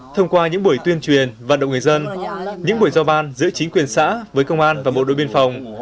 thông qua những buổi tuyên truyền vận động người dân những buổi giao ban giữa chính quyền xã với công an và bộ đội biên phòng